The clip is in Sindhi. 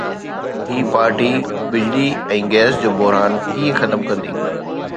هي پارٽي بجلي ۽ گيس جو بحران ڪيئن ختم ڪندي؟